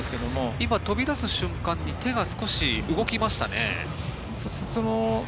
今、飛び出す瞬間に少し手が動きましたね。